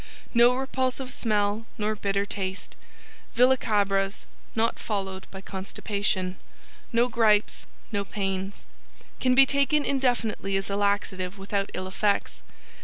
NO REPULSIVE SMELL NOR BITTER TASTE VILLACABRAS NOT FOLLOWED BY CONSTIPATION No Gripes No Pains Can be taken indefinitely as a laxative without ill effects.